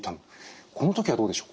この時はどうでしょう。